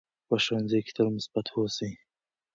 په ښوونځي کې تل مثبت اوسئ.